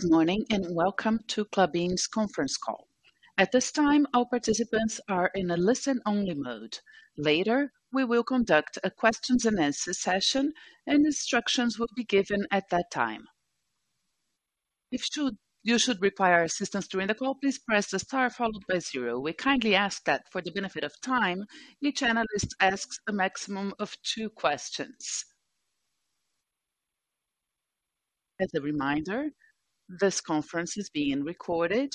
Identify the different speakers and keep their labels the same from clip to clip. Speaker 1: Good morning, and welcome to Klabin's conference call. At this time, all participants are in a listen-only mode. Later, we will conduct a questions and answer session, and instructions will be given at that time. If you should require assistance during the call, please press the star followed by zero. We kindly ask that for the benefit of time, each analyst asks a maximum of two questions. As a reminder, this conference is being recorded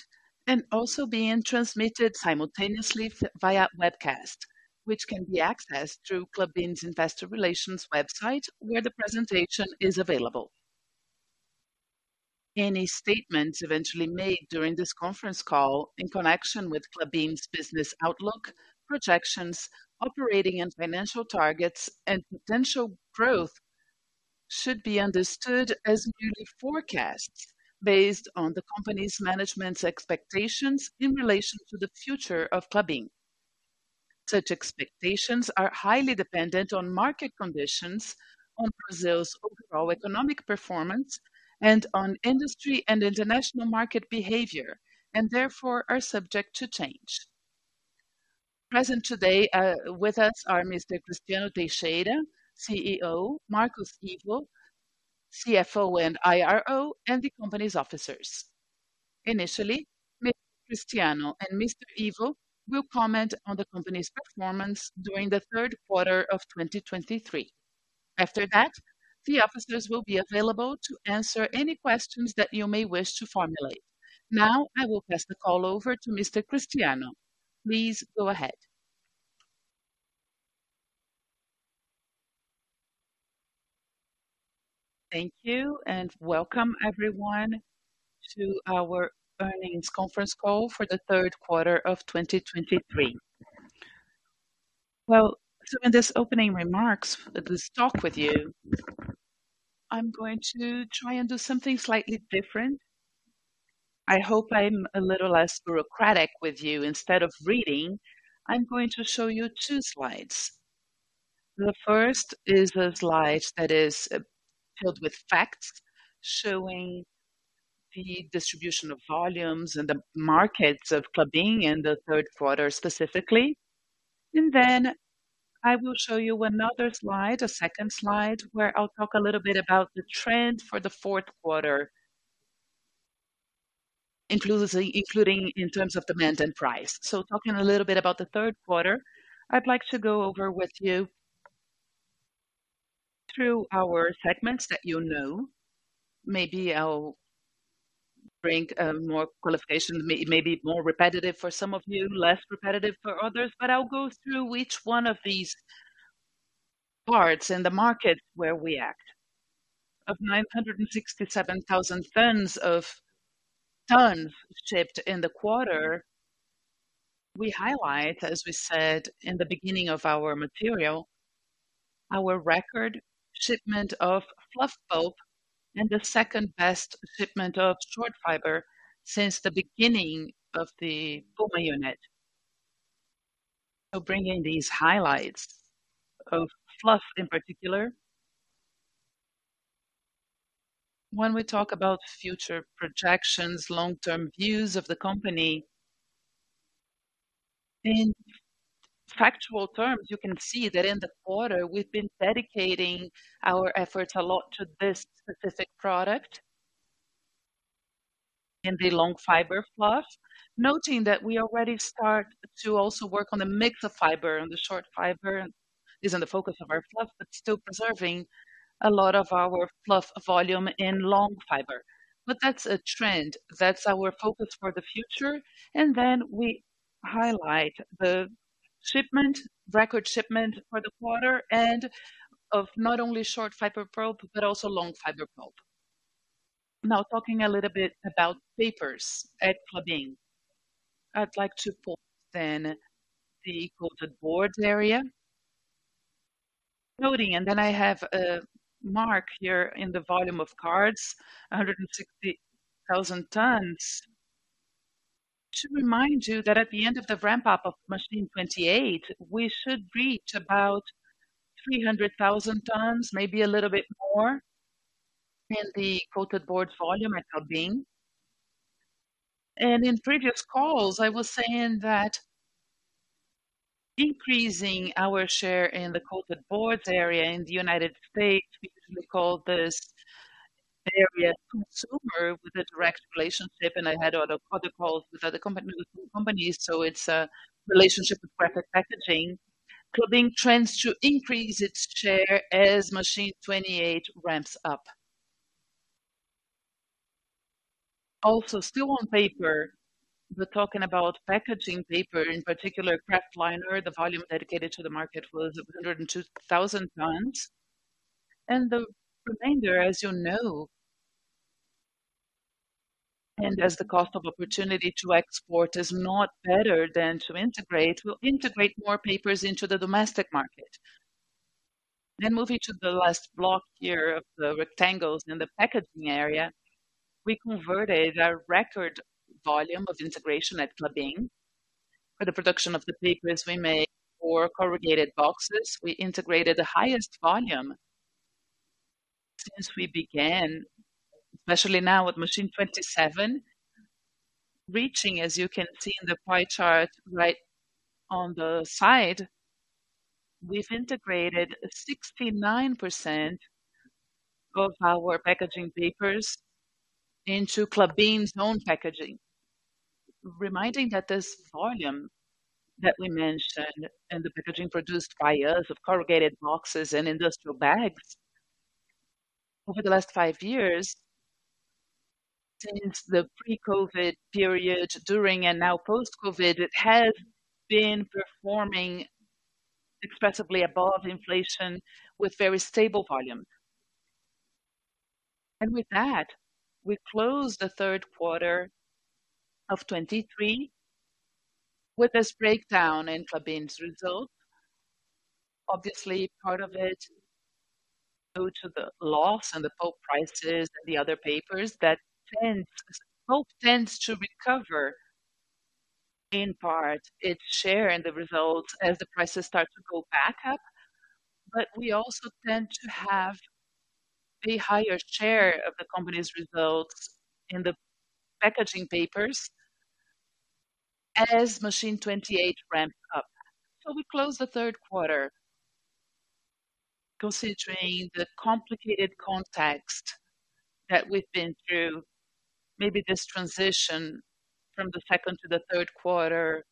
Speaker 1: and also being transmitted simultaneously via webcast, which can be accessed through Klabin's Investor Relations website, where the presentation is available. Any statements eventually made during this conference call in connection with Klabin's business outlook, projections, operating and financial targets, and potential growth should be understood as future forecasts based on the company's management's expectations in relation to the future of Klabin. Such expectations are highly dependent on market conditions, on Brazil's overall economic performance, and on industry and international market behavior, and therefore are subject to change. Present today with us are Mr. Cristiano Teixeira, CEO, Marcos Ivo, CFO and IRO, and the company's officers. Initially, Mr. Cristiano and Mr. Ivo will comment on the company's performance during the third quarter of 2023. After that, the officers will be available to answer any questions that you may wish to formulate. Now, I will pass the call over to Mr. Cristiano. Please go ahead.
Speaker 2: Thank you, and welcome everyone to our earnings conference call for the third quarter of 2023. Well, so in this opening remarks, this talk with you, I'm going to try and do something slightly different. I hope I'm a little less bureaucratic with you. Instead of reading, I'm going to show you two slides. The first is a slide that is filled with facts, showing the distribution of volumes and the markets of Klabin in the third quarter, specifically. Then I will show you another slide, a second slide, where I'll talk a little bit about the trend for the fourth quarter, including in terms of demand and price. So talking a little bit about the third quarter, I'd like to go over with you through our segments that you know. Maybe I'll bring more qualification, maybe more repetitive for some of you, less repetitive for others, but I'll go through each one of these parts in the market where we act. Of 967,000 tons of tons shipped in the quarter, we highlight, as we said in the beginning of our material, our record shipment of fluff pulp and the second-best shipment of short fiber since the beginning of the Puma unit. So bringing these highlights of fluff, in particular. When we talk about future projections, long-term views of the company, in factual terms, you can see that in the quarter, we've been dedicating our efforts a lot to this specific product in the long fiber fluff. Noting that we already start to also work on a mix of fiber, and the short fiber is in the focus of our fluff, but still preserving a lot of our fluff volume in long fiber. But that's a trend. That's our focus for the future, and then we highlight the shipment, record shipment for the quarter, and of not only short fiber pulp, but also long fiber pulp. Now, talking a little bit about papers at Klabin. I'd like to focus then the coated board area. Noting, and then I have a mark here in the volume of cards, 160,000 tons. To remind you that at the end of the ramp-up of Machine 28, we should reach about 300,000 tons, maybe a little bit more, in the coated board volume at Klabin. And in previous calls, I was saying that increasing our share in the coated boards area in the United States, we usually call this area consumer with a direct relationship, and I had other product calls with other companies, so it's a relationship with Graphic Packaging. Klabin trends to increase its share as Machine 28 ramps up. Also, still on paper, we're talking about packaging paper, in particular, Kraftliner. The volume dedicated to the market was 102,000 tons. And the remainder, as you know, and as the cost of opportunity to export is not better than to integrate, we'll integrate more papers into the domestic market. Then moving to the last block here of the rectangles in the packaging area, we converted a record volume of integration at Klabin, for the production of the papers we make or corrugated boxes, we integrated the highest volume since we began, especially now with Machine 27, reaching, as you can see in the pie chart right on the side, we've integrated 69% of our packaging papers into Klabin's own packaging. Reminding that this volume that we mentioned, and the packaging produced by us of corrugated boxes and industrial bags over the last five years, since the pre-COVID period, during and now post-COVID, it has been performing expressively above inflation with very stable volume. With that, we closed the third quarter of 2023 with this breakdown in Klabin's result. Obviously, part of it due to the loss in the pulp prices and the other papers, pulp tends to recover in part its share in the results as the prices start to go back up. But we also tend to have a higher share of the company's results in the packaging papers as Machine 28 ramps up. So we close the third quarter, considering the complicated context that we've been through. Maybe this transition from the second to the third quarter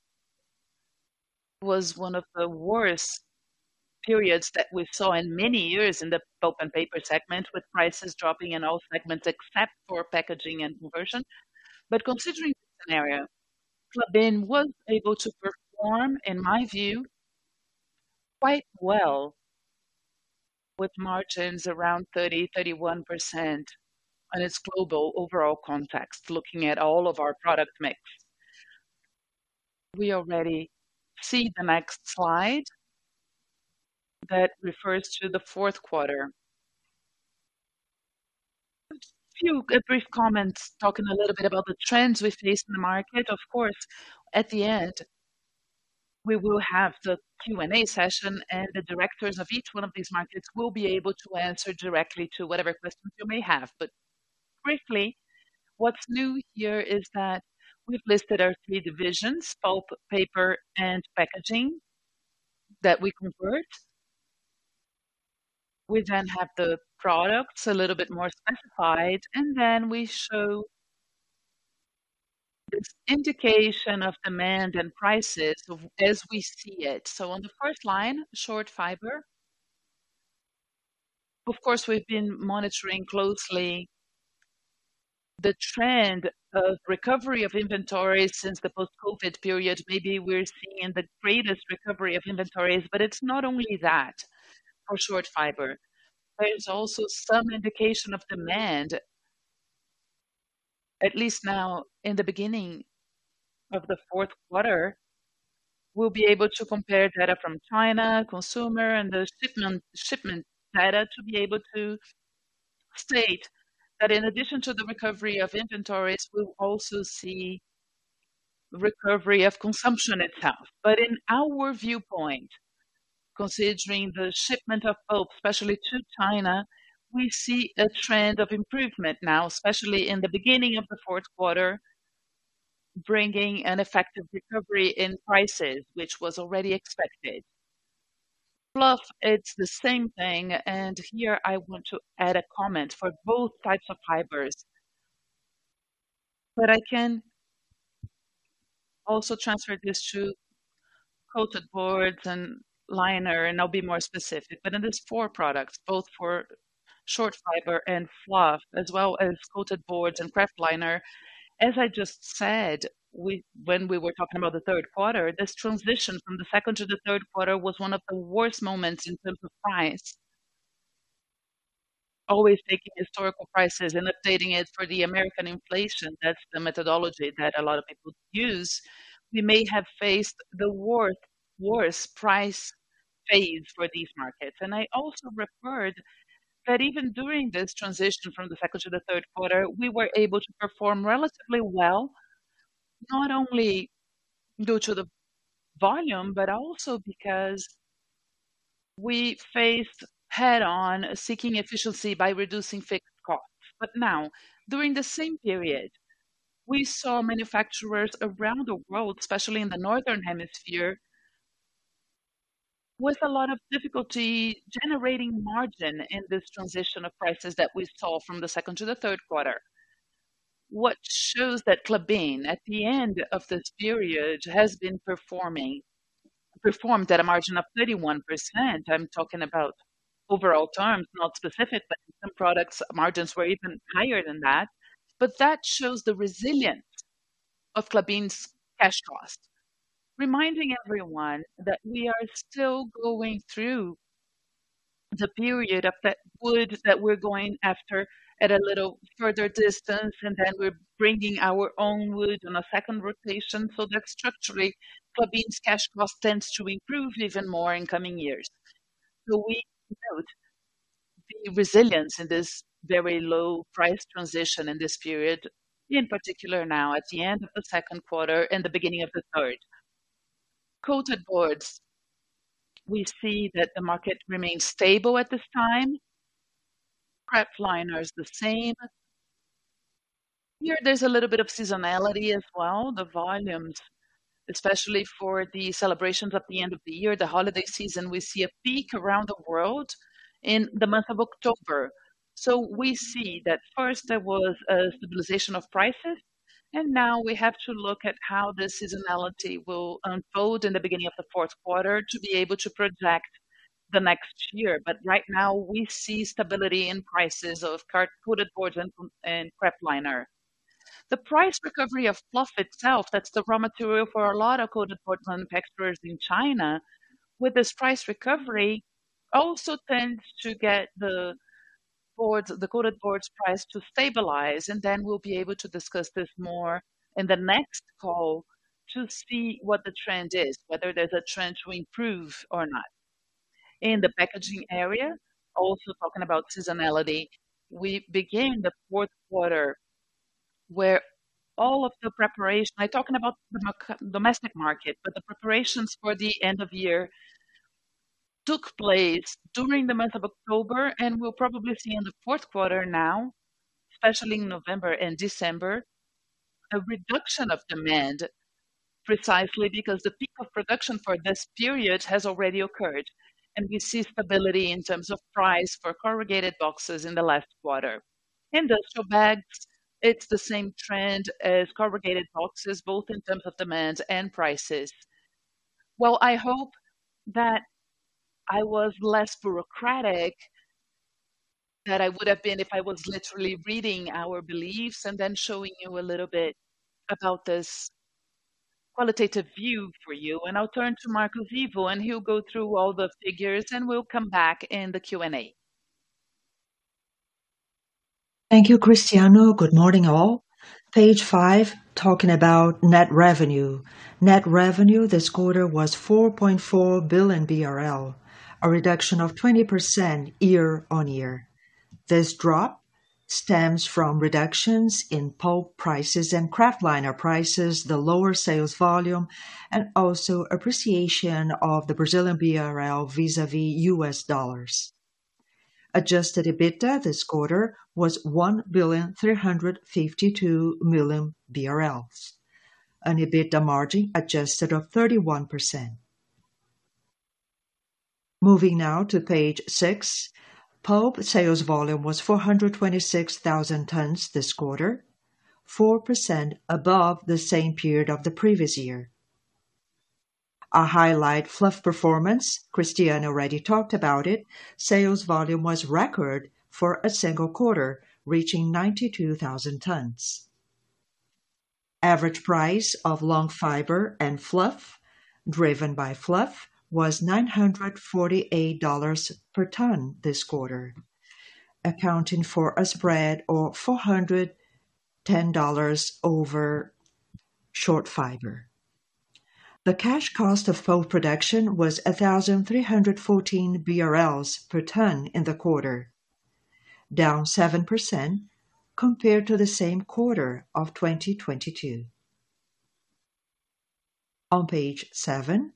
Speaker 2: was one of the worst periods that we saw in many years in the pulp and paper segment, with prices dropping in all segments except for packaging and conversion. But considering the scenario, Klabin was able to perform, in my view, quite well with margins around 30%, 31% on its global overall context, looking at all of our product mix. We already see the next slide that refers to the fourth quarter. A few brief comments, talking a little bit about the trends we face in the market. Of course, at the end, we will have the Q&A session, and the directors of each one of these markets will be able to answer directly to whatever questions you may have. But briefly, what's new here is that we've listed our three divisions: pulp, paper, and packaging, that we convert. We then have the products a little bit more specified, and then we show this indication of demand and prices of, as we see it. So on the first line, short fiber. Of course, we've been monitoring closely the trend of recovery of inventories since the post-COVID period. Maybe we're seeing the greatest recovery of inventories, but it's not only that for short fiber. There is also some indication of demand, at least now in the beginning of the fourth quarter, we'll be able to compare data from China, consumer and the shipment, shipment data to be able to state that in addition to the recovery of inventories, we'll also see recovery of consumption itself. But in our viewpoint, considering the shipment of pulp, especially to China, we see a trend of improvement now, especially in the beginning of the fourth quarter, bringing an effective recovery in prices, which was already expected. Plus, it's the same thing, and here I want to add a comment for both types of fibers. But I can also transfer this to coated boards and liner, and I'll be more specific. But in these four products, both for short fiber and fluff, as well as coated boards and kraftliner. As I just said, we, when we were talking about the third quarter, this transition from the second to the third quarter was one of the worst moments in terms of price. Always taking historical prices and updating it for the American inflation, that's the methodology that a lot of people use. We may have faced the worst, worst price phase for these markets. I also referred that even during this transition from the second to the third quarter, we were able to perform relatively well, not only due to the volume, but also because we faced head on seeking efficiency by reducing fixed costs. Now, during the same period, we saw manufacturers around the world, especially in the Northern Hemisphere, with a lot of difficulty generating margin in this transition of prices that we saw from the second to the third quarter. What shows that Klabin, at the end of this period, has been performing, performed at a margin of 31%. I'm talking about overall terms, not specifically, some products' margins were even higher than that. That shows the resilience of Klabin's cash cost. Reminding everyone that we are still going through the period of that wood that we're going after at a little further distance, and then we're bringing our own wood on a second rotation. So that structurally, Klabin's cash cost tends to improve even more in coming years. So we note the resilience in this very low price transition in this period, in particular now at the end of the second quarter and the beginning of the third. Coated boards, we see that the market remains stable at this time. Kraftliner is the same. Here, there's a little bit of seasonality as well. The volumes, especially for the celebrations at the end of the year, the holiday season, we see a peak around the world in the month of October. So we see that first there was a stabilization of prices, and now we have to look at how the seasonality will unfold in the beginning of the fourth quarter to be able to project the next year. But right now, we see stability in prices of coated board and kraftliner. The price recovery of fluff itself, that's the raw material for a lot of coated board manufacturers in China, with this price recovery, also tends to get the boards, the coated boards price to stabilize, and then we'll be able to discuss this more in the next call to see what the trend is, whether there's a trend to improve or not. In the packaging area, also talking about seasonality, we begin the fourth quarter, where all of the preparation, I'm talking about the domestic market, but the preparations for the end of year took place during the month of October, and we'll probably see in the fourth quarter now, especially in November and December, a reduction of demand, precisely because the peak of production for this period has already occurred. And we see stability in terms of price for corrugated boxes in the last quarter. Industrial bags, it's the same trend as corrugated boxes, both in terms of demand and prices. Well, I hope that I was less bureaucratic than I would have been if I was literally reading our beliefs and then showing you a little bit about this qualitative view for you. I'll turn to Marcos Ivo, and he'll go through all the figures, and we'll come back in the Q&A.
Speaker 3: Thank you, Cristiano. Good morning, all. Page five, talking about net revenue. Net revenue this quarter was 4.4 billion BRL, a reduction of 20% year-over-year. This drop stems from reductions in pulp prices and kraftliner prices, the lower sales volume, and also appreciation of the Brazilian real vis-à-vis the US dollar. Adjusted EBITDA this quarter was 1,352 million BRL, an adjusted EBITDA margin of 31%. Moving now to page six. Pulp sales volume was 426,000 tons this quarter, 4% above the same period of the previous year. Our highlight fluff performance, Cristiano already talked about it, sales volume was record for a single quarter, reaching 92,000 tons. Average price of long fiber and fluff, driven by fluff, was $948 per ton this quarter, accounting for a spread of $410 over short fiber. The cash cost of pulp production was 1,314 BRL per ton in the quarter, down 7% compared to the same quarter of 2022. On page seven,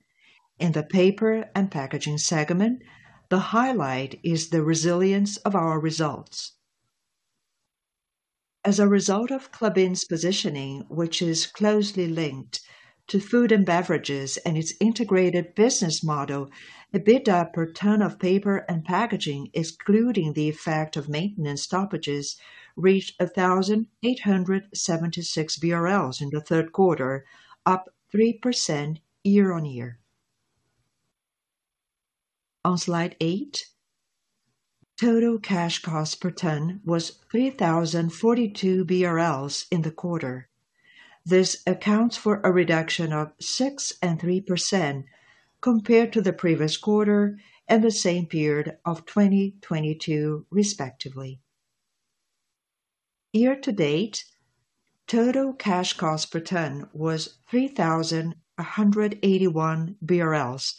Speaker 3: in the paper and packaging segment, the highlight is the resilience of our results. As a result of Klabin's positioning, which is closely linked to food and beverages and its integrated business model, EBITDA per ton of paper and packaging, excluding the effect of maintenance stoppages, reached 1,876 BRL in the third quarter, up 3% year-on-year. On slide eight, total cash costs per ton was 3,042 BRL in the quarter. This accounts for a reduction of 6% and 3% compared to the previous quarter and the same period of 2022, respectively. Year to date, total cash cost per ton was 3,181 BRL,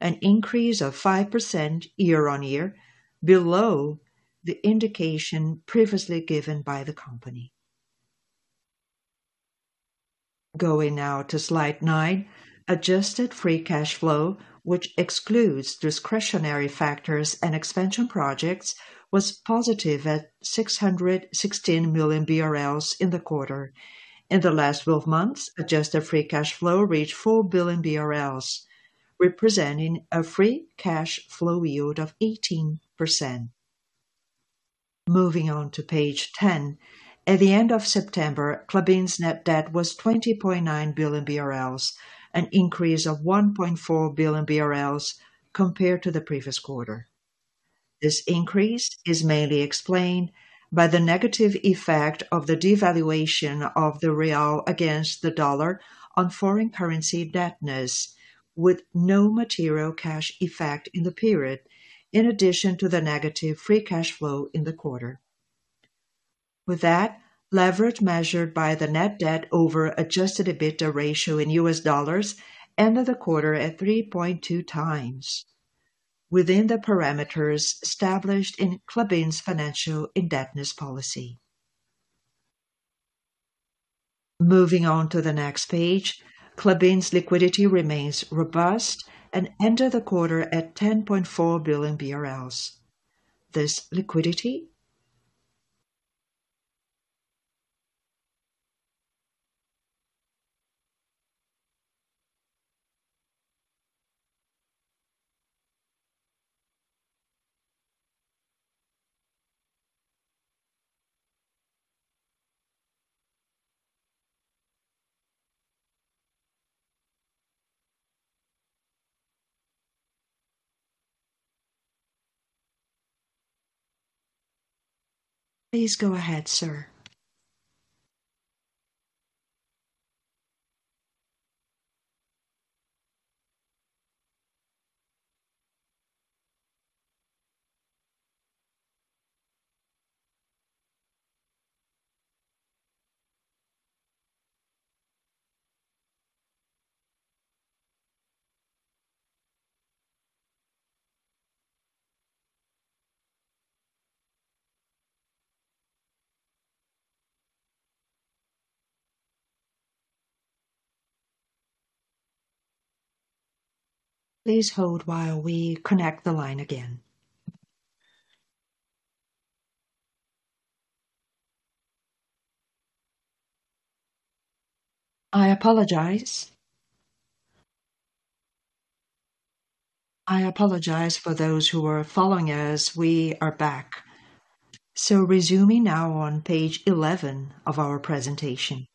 Speaker 3: an increase of 5% year-on-year, below the indication previously given by the company. Going now to slide nine. Adjusted free cash flow, which excludes discretionary factors and expansion projects, was positive at 616 million BRL in the quarter. In the last 12 months, adjusted free cash flow reached 4 billion BRL, representing a free cash flow yield of 18%. Moving on to page 10. At the end of September, Klabin's net debt was 20.9 billion BRL, an increase of 1.4 billion BRL compared to the previous quarter. This increase is mainly explained by the negative effect of the devaluation of the real against the dollar on foreign currency indebtedness, with no material cash effect in the period, in addition to the negative free cash flow in the quarter.... With that, leverage measured by the net debt over adjusted EBITDA ratio in U.S. dollars ended the quarter at 3.2x, within the parameters established in Klabin's financial indebtedness policy. Moving on to the next page, Klabin's liquidity remains robust and ended the quarter at 10.4 billion BRL. This liquidity—Please go ahead, sir. Please hold while we connect the line again. I apologize. I apologize for those who are following us. We are back. So resuming now on page 11 of our presentation.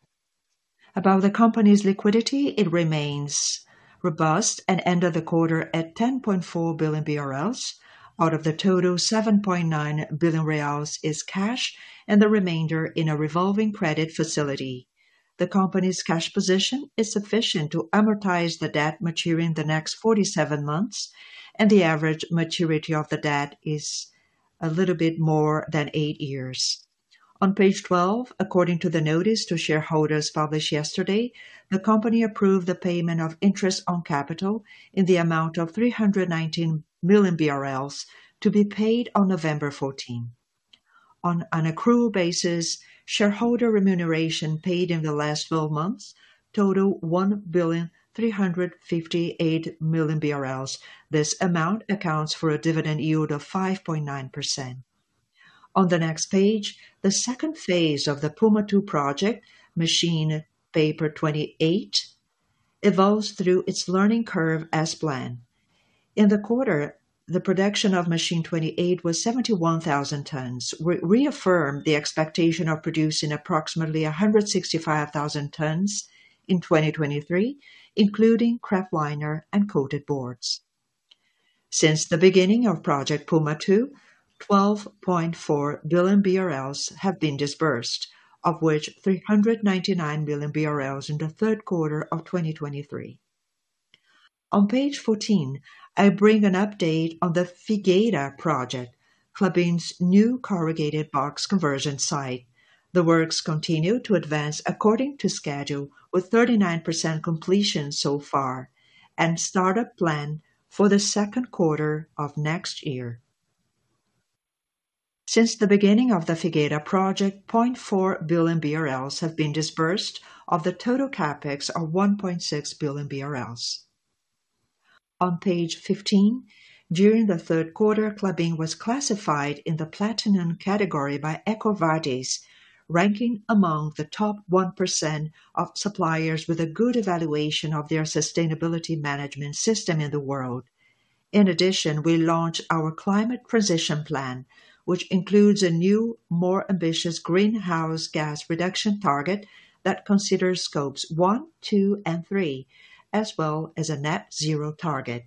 Speaker 3: About the company's liquidity, it remains robust and ended the quarter at 10.4 billion BRL. Out of the total, BRL 7.9 billion is cash, and the remainder in a revolving credit facility. The company's cash position is sufficient to amortize the debt maturing in the next 47 months, and the average maturity of the debt is a little bit more than eight years. On page 12, according to the notice to shareholders published yesterday, the company approved the payment of interest on capital in the amount of 319 million BRL, to be paid on November 14. On an accrual basis, shareholder remuneration paid in the last 12 months total 1.358 billion. This amount accounts for a dividend yield of 5.9%. On the next page, the second phase of the Puma II project, Machine 28, evolves through its learning curve as planned. In the quarter, the production of machine 28 was 71,000 tons. We reaffirm the expectation of producing approximately 165,000 tons in 2023, including kraftliner and coated boards. Since the beginning of Project Puma Two, 12.4 billion BRL have been disbursed, of which 399 million BRL in the third quarter of 2023. On page 14, I bring an update on the Figueira project, Klabin's new corrugated box conversion site. The works continue to advance according to schedule, with 39% completion so far, and startup planned for the second quarter of next year. Since the beginning of the Figueira project, 0.4 billion BRL have been disbursed of the total CapEx of 1.6 billion BRL. On page 15, during the third quarter, Klabin was classified in the platinum category by EcoVadis, ranking among the top 1% of suppliers with a good evaluation of their sustainability management system in the world. In addition, we launched our climate transition plan, which includes a new, more ambitious greenhouse gas reduction target that considers scopes one, two, and three, as well as a net zero target.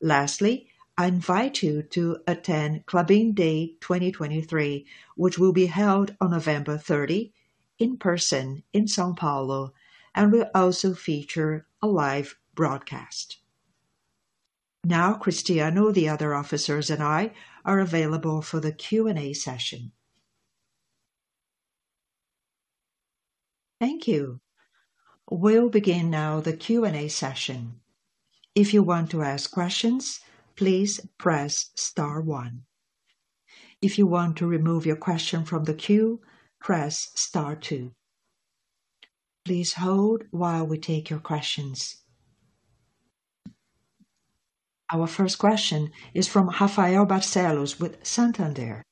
Speaker 3: Lastly, I invite you to attend Klabin Day 2023, which will be held on November 30, in person in São Paulo, and will also feature a live broadcast. Now, Cristiano, the other officers and I, are available for the Q&A session.
Speaker 1: Thank you. We'll begin now the Q&A session. If you want to ask questions, please press star one. If you want to remove your question from the queue, press star two. Please hold while we take your questions. Our first question is from Rafael Barcellos, with Santander.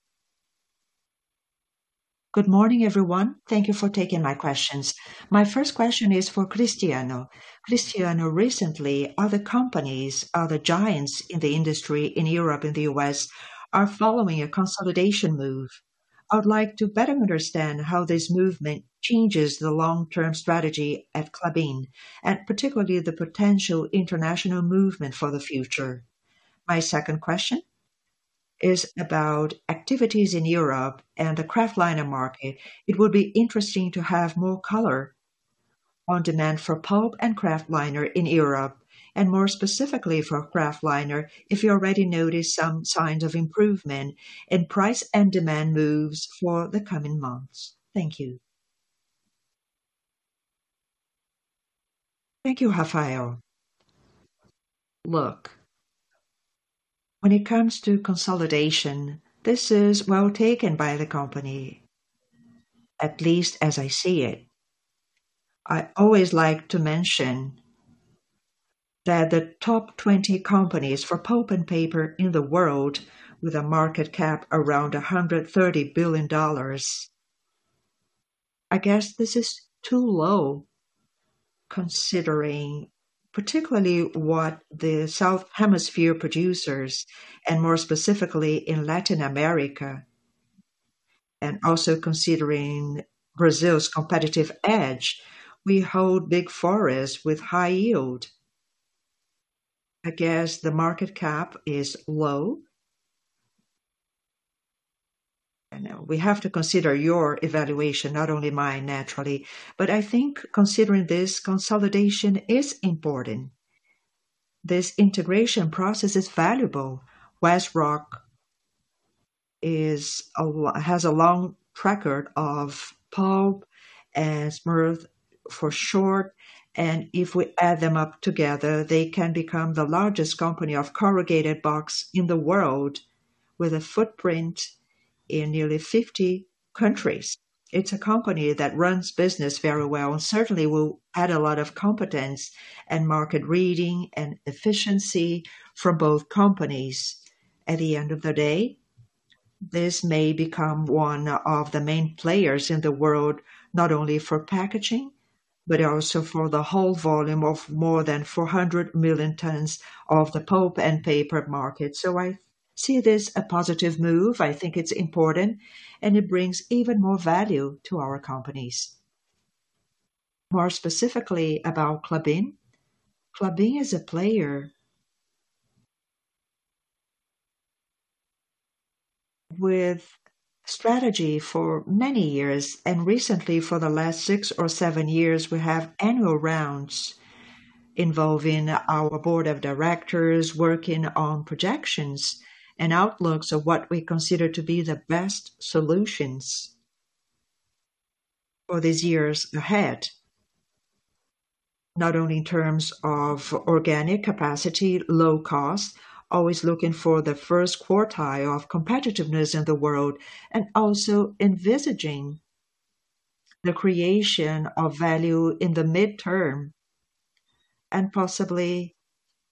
Speaker 4: Good morning, everyone. Thank you for taking my questions. My first question is for Cristiano. Cristiano, recently, other companies, other giants in the industry, in Europe and the U.S., are following a consolidation move. I would like to better understand how this movement changes the long-term strategy at Klabin, and particularly the potential international movement for the future. My second question is about activities in Europe and the kraftliner market. It would be interesting to have more color on demand for pulp and kraftliner in Europe, and more specifically for kraftliner, if you already noticed some signs of improvement in price and demand moves for the coming months. Thank you.
Speaker 2: Thank you, Rafael. Look, when it comes to consolidation, this is well taken by the company, at least as I see it. I always like to mention that the top 20 companies for pulp and paper in the world, with a market cap around $130 billion, I guess this is too low, considering particularly what the Southern Hemisphere producers, and more specifically in Latin America, and also considering Brazil's competitive edge, we hold big forests with high yield. I guess the market cap is low. I know, we have to consider your evaluation, not only mine, naturally. But I think considering this consolidation is important. This integration process is valuable. WestRock has a long record of pulp and paper for short, and if we add them up together, they can become the largest company of corrugated box in the world, with a footprint in nearly 50 countries. It's a company that runs business very well and certainly will add a lot of competence and market reading and efficiency from both companies. At the end of the day, this may become one of the main players in the world, not only for packaging, but also for the whole volume of more than 400 million tons of the pulp and paper market. So I see this a positive move. I think it's important, and it brings even more value to our companies. More specifically, about Klabin. Klabin is a player with strategy for many years, and recently, for the last six or seven years, we have annual rounds involving our board of directors working on projections and outlooks of what we consider to be the best solutions for these years ahead. Not only in terms of organic capacity, low cost, always looking for the first quartile of competitiveness in the world, and also envisaging the creation of value in the midterm and possibly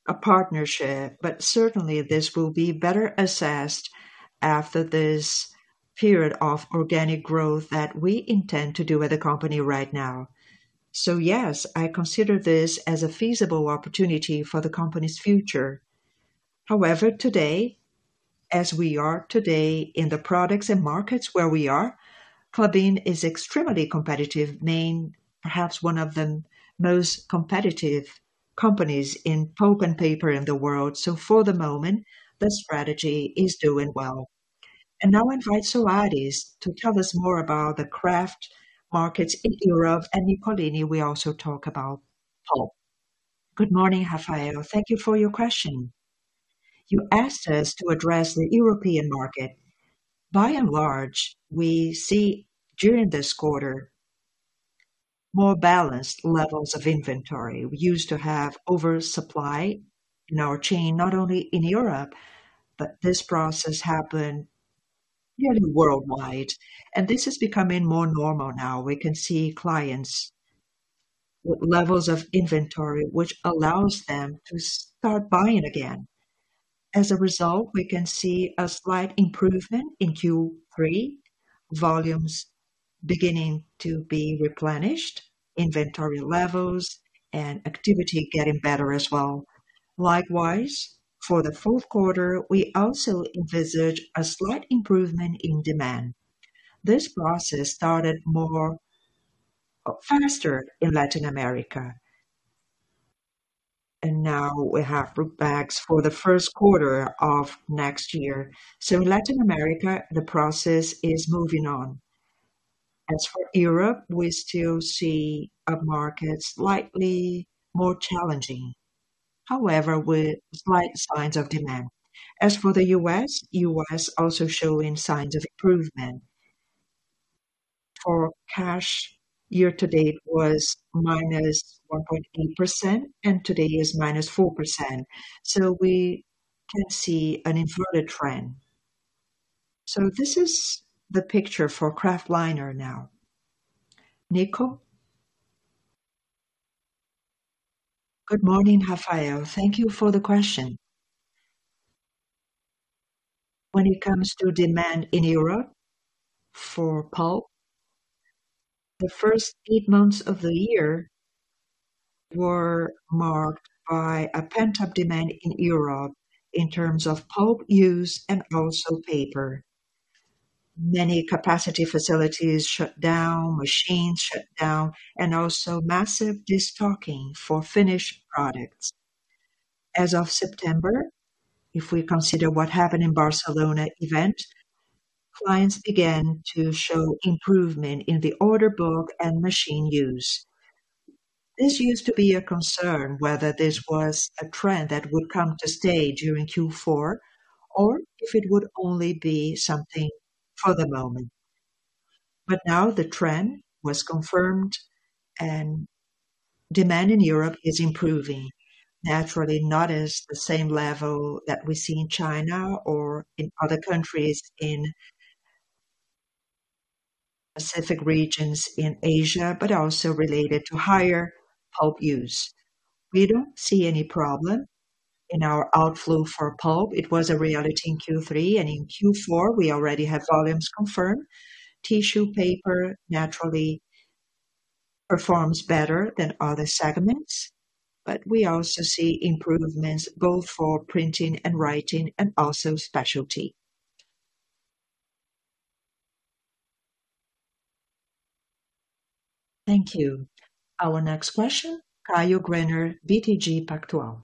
Speaker 2: a partnership. But certainly, this will be better assessed after this period of organic growth that we intend to do with the company right now. So yes, I consider this as a feasible opportunity for the company's future. However, today, as we are today in the products and markets where we are, Klabin is extremely competitive, being perhaps one of the most competitive companies in pulp and paper in the world. So for the moment, the strategy is doing well. And now I invite Soares to tell us more about the kraft markets in Europe, and Nicolini will also talk about pulp.
Speaker 5: Good morning, Rafael. Thank you for your question. You asked us to address the European market. By and large, we see during this quarter, more balanced levels of inventory. We used to have oversupply in our chain, not only in Europe, but this process happened nearly worldwide, and this is becoming more normal now. We can see clients' levels of inventory, which allows them to start buying again. As a result, we can see a slight improvement in Q3, volumes beginning to be replenished, inventory levels and activity getting better as well. Likewise, for the fourth quarter, we also envisage a slight improvement in demand. This process started more, faster in Latin America, and now we have look backs for the first quarter of next year. So in Latin America, the process is moving on. As for Europe, we still see a market slightly more challenging, however, with slight signs of demand. As for the US, US also showing signs of improvement. For cash, year to date was -1.8%, and today is -4%, so we can see an inverted trend. So this is the picture for Kraftliner now. Nico?
Speaker 6: Good morning, Rafael. Thank you for the question. When it comes to demand in Europe for pulp, the first eight months of the year were marked by a pent-up demand in Europe in terms of pulp use and also paper. Many capacity facilities shut down, machines shut down, and also massive destocking for finished products. As of September, if we consider what happened in Barcelona event, clients began to show improvement in the order book and machine use. This used to be a concern, whether this was a trend that would come to stay during Q4, or if it would only be something for the moment. But now the trend was confirmed, and demand in Europe is improving. Naturally, not as the same level that we see in China or in other countries in Pacific regions, in Asia, but also related to higher pulp use. We don't see any problem in our outflow for pulp. It was a reality in Q3, and in Q4 we already have volumes confirmed. Tissue paper naturally performs better than other segments, but we also see improvements both for printing and writing and also specialty.
Speaker 1: Thank you. Our next question, Caio Greiner, BTG Pactual.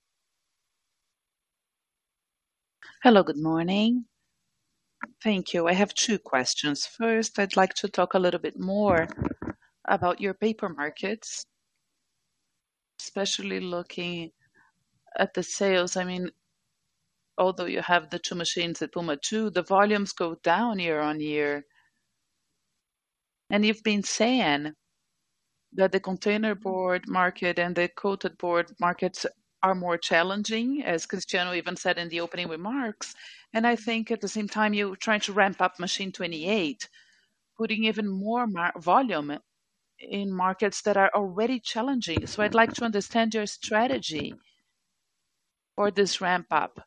Speaker 7: Hello, good morning. Thank you. I have two questions. First, I'd like to talk a little bit more about your paper markets, especially looking at the sales. I mean, although you have the two machines at Puma II, the volumes go down year-on-year. And you've been saying that the container board market and the coated board markets are more challenging, as Cristiano even said in the opening remarks. And I think at the same time, you're trying to ramp up machine 28, putting even more volume in markets that are already challenging. So I'd like to understand your strategy for this ramp up,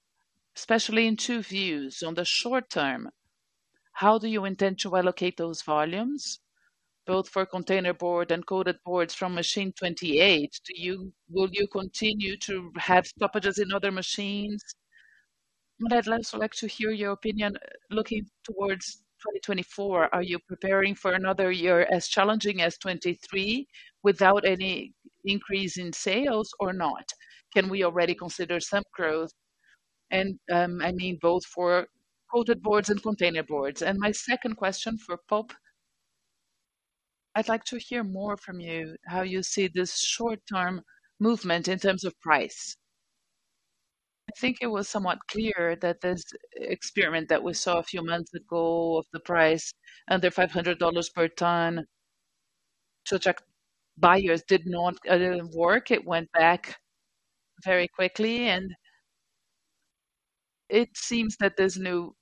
Speaker 7: especially in two views. On the short term, how do you intend to allocate those volumes, both for container board and coated boards from machine 28? Will you continue to have stoppages in other machines? But I'd also like to hear your opinion, looking towards 2024, are you preparing for another year as challenging as 2023, without any increase in sales or not? Can we already consider some growth? And, I mean, both for coated boards and container boards. And my second question for pulp, I'd like to hear more from you, how you see this short-term movement in terms of price. I think it was somewhat clear that this experiment that we saw a few months ago of the price under $500 per ton, to attract buyers did not work. It went back very quickly, and it seems that there's no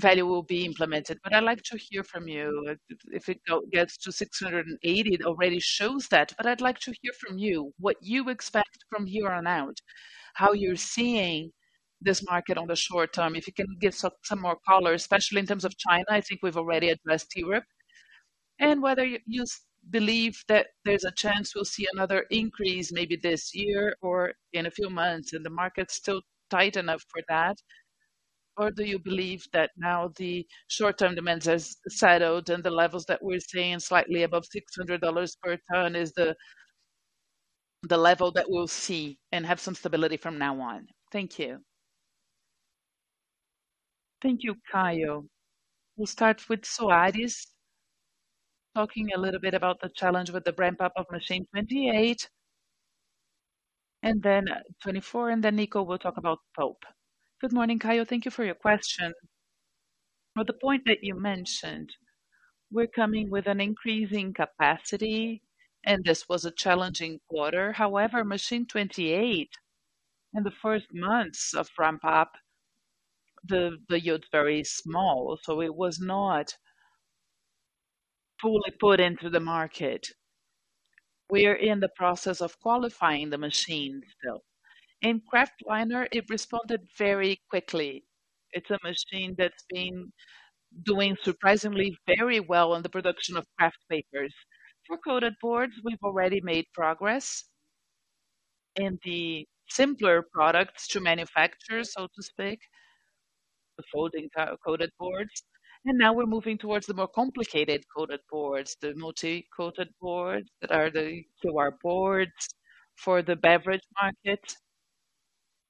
Speaker 7: value will be implemented. But I'd like to hear from you. If it gets to $680, it already shows that. But I'd like to hear from you, what you expect from here on out, how you're seeing this market on the short term, if you can give some more color, especially in terms of China, I think we've already addressed Europe. And whether you believe that there's a chance we'll see another increase, maybe this year or in a few months, and the market's still tight enough for that. Or do you believe that now the short-term demand has settled and the levels that we're seeing slightly above $600 per ton is the level that we'll see and have some stability from now on? Thank you.
Speaker 2: Thank you, Caio. We'll start with José Soares, talking a little bit about the challenge with the ramp-up of machine 28, and then 24, and then Nico will talk about pulp.
Speaker 5: Good morning, Caio. Thank you for your question. Well, the point that you mentioned, we're coming with an increasing capacity, and this was a challenging quarter. However, Machine 28, in the first months of ramp-up, the yield is very small, so it was not fully put into the market. We are in the process of qualifying the machine still. In Kraftliner, it responded very quickly. It's a machine that's been doing surprisingly very well on the production of Kraft papers. For coated boards, we've already made progress in the simpler products to manufacture, so to speak, the folding coated boards. And now we're moving towards the more complicated coated boards, the multi-coated boards that are the two-wall boards for the beverage market.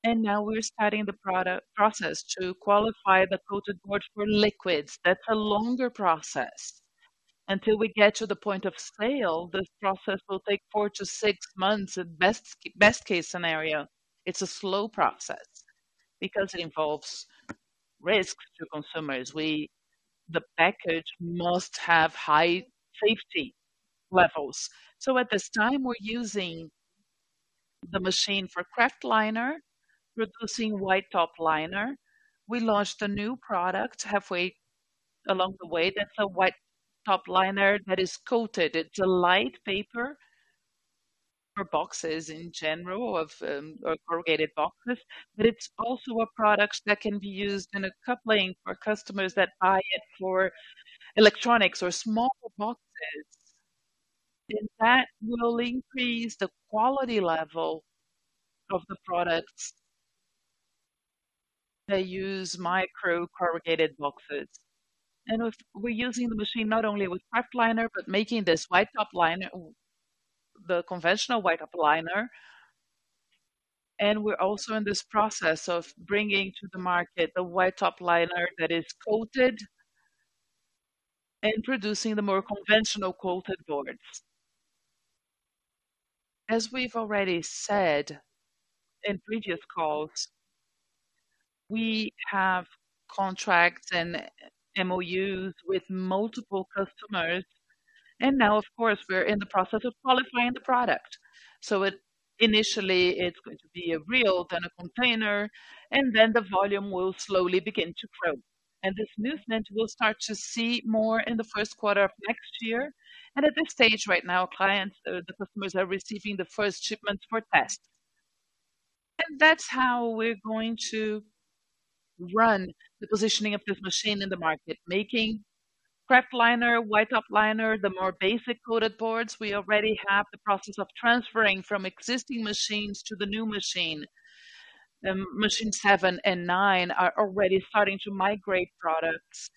Speaker 5: And now we're starting the process to qualify the coated board for liquids. That's a longer process. Until we get to the point of sale, this process will take four to six months, at best, best case scenario. It's a slow process because it involves risk to consumers. We, the package must have high safety levels. At this time, we're using the machine for kraftliner, producing white top liner. We launched a new product halfway along the way. That's a white top liner that is coated. It's a light paper for boxes in general, or corrugated boxes, but it's also a product that can be used in a coupling for customers that buy it for electronics or small boxes. That will increase the quality level of the product they use, micro corrugated boxboards. We're using the machine not only with kraftliner, but making this white top liner, the conventional white top liner. And we're also in this process of bringing to the market a white top liner that is coated, and producing the more conventional coated boards. As we've already said in previous calls, we have contracts and MOUs with multiple customers, and now of course, we're in the process of qualifying the product. So it initially it's going to be a reel, then a container, and then the volume will slowly begin to grow. And this movement, we'll start to see more in the first quarter of next year. And at this stage right now, clients, the customers are receiving the first shipments for test. And that's how we're going to run the positioning of this machine in the market, making kraftliner, white top liner, the more basic coated boards. We already have the process of transferring from existing machines to the new machine. Machine 7 and 9 are already starting to migrate products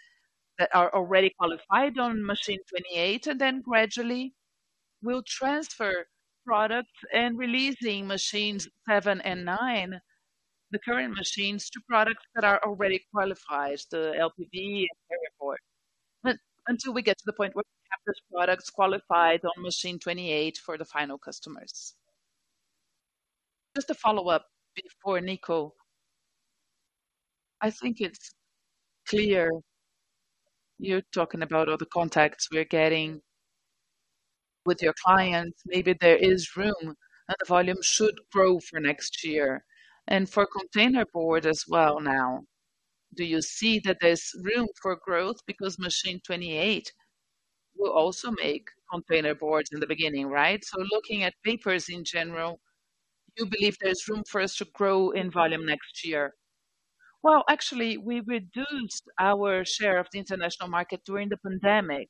Speaker 5: that are already qualified on machine 28, and then gradually we'll transfer products and releasing machines 7 and 9, the current machines, to products that are already qualified, the LPD and carrier board. Until we get to the point where we have these products qualified on machine 28 for the final customers.
Speaker 7: Just a follow-up before Nico. I think it's clear, you're talking about all the contacts we are getting with your clients. Maybe there is room and the volume should grow for next year and for container board as well now. Do you see that there's room for growth? Machine 28 will also make container boards in the beginning, right? Looking at papers in general, you believe there's room for us to grow in volume next year?
Speaker 5: Well, actually, we reduced our share of the international market during the pandemic.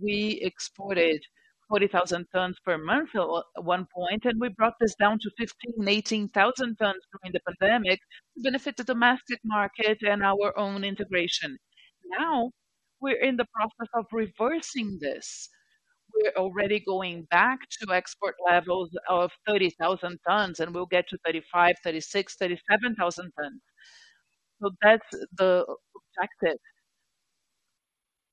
Speaker 5: We exported 40,000 tons per month at one point, and we brought this down to 15,000-18,000 tons during the pandemic, to benefit the domestic market and our own integration. Now, we're in the process of reversing this. We're already going back to export levels of 30,000 tons, and we'll get to 35,000-37,000 tons. So that's the objective.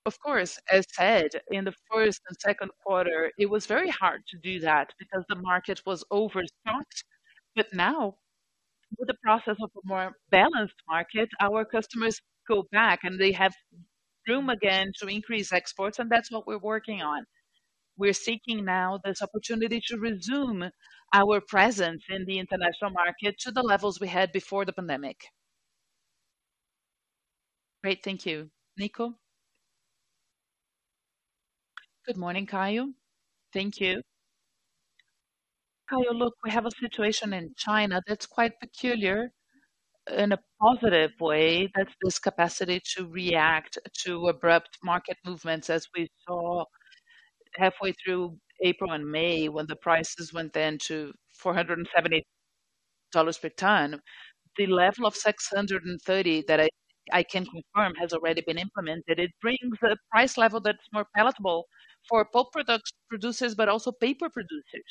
Speaker 5: Of course, as said, in the first and second quarter, it was very hard to do that because the market was overstocked. But now, with the process of a more balanced market, our customers go back and they have room again to increase exports, and that's what we're working on. We're seeking now this opportunity to resume our presence in the international market to the levels we had before the pandemic.
Speaker 7: Great. Thank you.
Speaker 2: Nico?
Speaker 6: Good morning, Caio. Thank you. Caio, look, we have a situation in China that's quite peculiar in a positive way, that's this capacity to react to abrupt market movements, as we saw halfway through April and May, when the prices went then to $470 per ton. The level of 630 that I, I can confirm, has already been implemented. It brings a price level that's more palatable for pulp products producers, but also paper producers.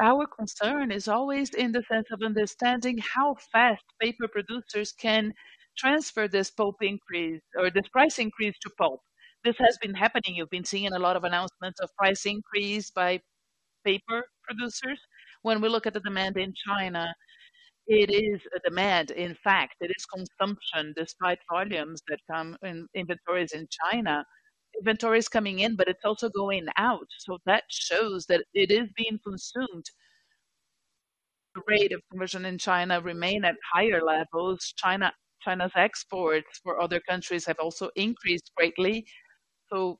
Speaker 6: Our concern is always in the sense of understanding how fast paper producers can transfer this pulp increase or this price increase to pulp. This has been happening. You've been seeing a lot of announcements of price increase by paper producers. When we look at the demand in China, it is a demand. In fact, it is consumption, despite volumes that come in inventories in China. Inventory is coming in, but it's also going out, so that shows that it is being consumed. The rate of conversion in China remain at higher levels. China, China's exports for other countries have also increased greatly, so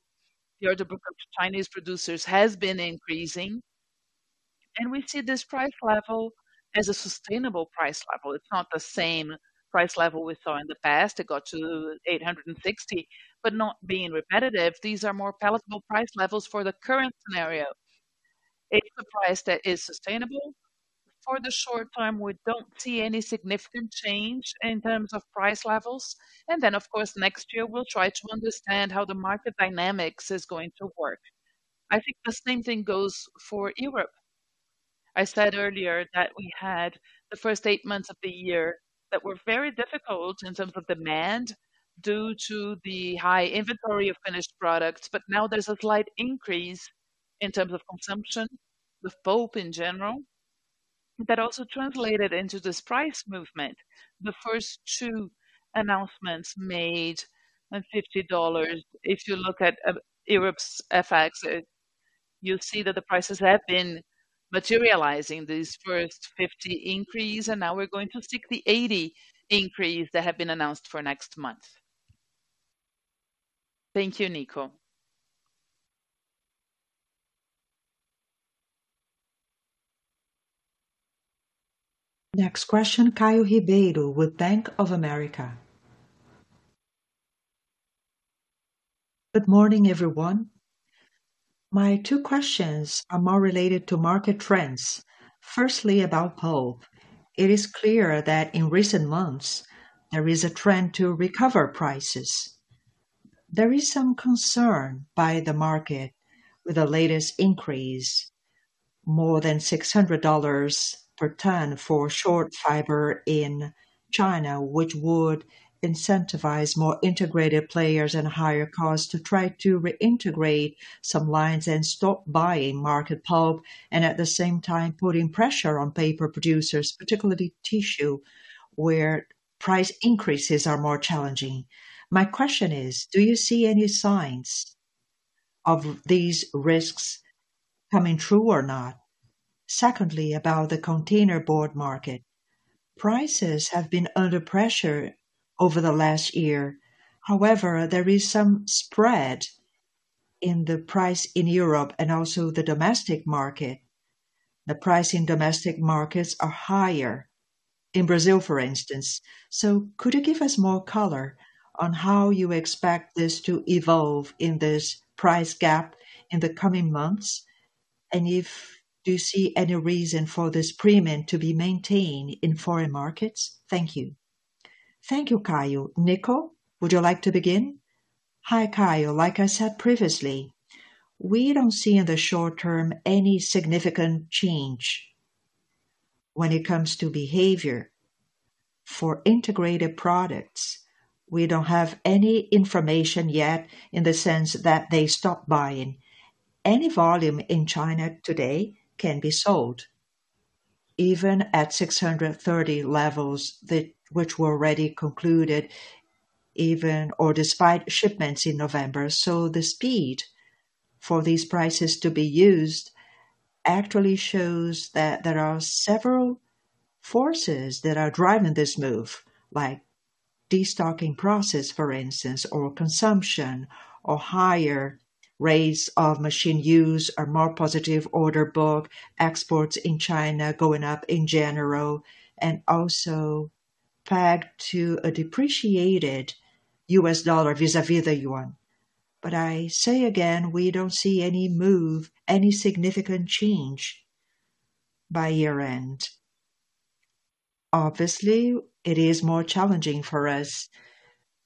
Speaker 6: the order book of Chinese producers has been increasing, and we see this price level as a sustainable price level. It's not the same price level we saw in the past. It got to 860, but not being repetitive, these are more palatable price levels for the current scenario. It's a price that is sustainable. For the short term, we don't see any significant change in terms of price levels. And then, of course, next year we'll try to understand how the market dynamics is going to work. I think the same thing goes for Europe. I said earlier that we had the first eight months of the year that were very difficult in terms of demand, due to the high inventory of finished products, but now there's a slight increase in terms of consumption with pulp in general. That also translated into this price movement. The first two announcements made and $50. If you look at Europe's effects, you'll see that the prices have been materializing, this first $50 increase, and now we're going to $60, $80 increase that have been announced for next month.
Speaker 7: Thank you, Nico.
Speaker 1: Next question, Caio Ribeiro, with Bank of America.
Speaker 8: Good morning, everyone. My two questions are more related to market trends. Firstly, about pulp. It is clear that in recent months, there is a trend to recover prices. There is some concern by the market with the latest increase, more than $600 per ton for short fiber in China, which would incentivize more integrated players and higher costs to try to reintegrate some lines and stop buying market pulp, and at the same time, putting pressure on paper producers, particularly tissue, where price increases are more challenging. My question is: do you see any signs of these risks coming true or not? Secondly, about the container board market. Prices have been under pressure over the last year. However, there is some spread in the price in Europe and also the domestic market. The price in domestic markets are higher, in Brazil, for instance. So could you give us more color on how you expect this to evolve in this price gap in the coming months? And if do you see any reason for this premium to be maintained in foreign markets? Thank you.
Speaker 2: Thank you, Caio. Nico, would you like to begin?
Speaker 6: Hi, Caio. Like I said previously, we don't see in the short term any significant change when it comes to behavior. For integrated products, we don't have any information yet in the sense that they stopped buying. Any volume in China today can be sold, even at $630 levels that which were already concluded, even or despite shipments in November. So the speed for these prices to be used actually shows that there are several forces that are driving this move, like destocking process, for instance, or consumption, or higher rates of machine use or more positive order book, exports in China going up in general, and also pegged to a depreciated U.S. dollar vis-a-vis the yuan. But I say again, we don't see any move, any significant change by year-end. Obviously, it is more challenging for us